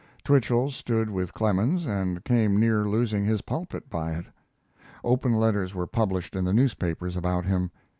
Twichell stood with Clemens and came near losing his pulpit by it. Open letters were published in the newspapers about him.